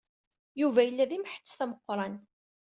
Yuba yella d imḥettet ameqran.